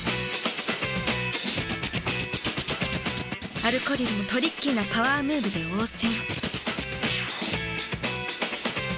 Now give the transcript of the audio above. アルコリルもトリッキーなパワームーブで応戦。